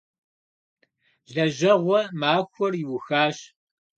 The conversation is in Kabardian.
Лэжьэгъуэ махуэр иухащ.